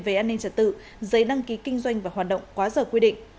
về an ninh trả tự giấy đăng ký kinh doanh và hoạt động quá dở quy định